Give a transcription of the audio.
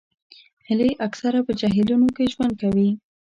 هیلۍ اکثره په جهیلونو کې ژوند کوي